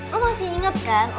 lo masih inget kan